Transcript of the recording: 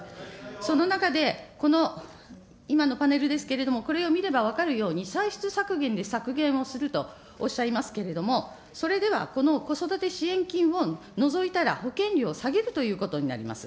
その中でこの今のパネルですけれども、これを見れば分かるように、歳出削減で削減をするとおっしゃいますけれども、それではこの子育て支援金を除いたら保険料を下げるということになります。